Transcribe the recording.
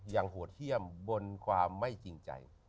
อย่างหัวเที่ยมบนความไม่จริงใจ